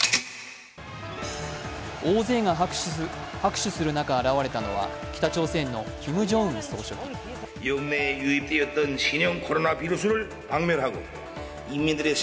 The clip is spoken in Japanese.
大勢が拍手する中現れたのは、北朝鮮のキム・ジョンウン総書記。